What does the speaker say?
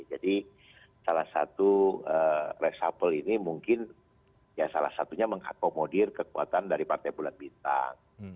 jadi salah satu reshuffle ini mungkin ya salah satunya mengakomodir kekuatan dari partai bulan bintang